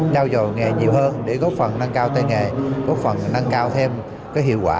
giao dò nghề nhiều hơn để góp phần năng cao tây nghề góp phần năng cao thêm cái hiệu quả